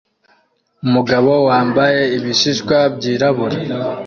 Umugabo wambaye ibishishwa byirabura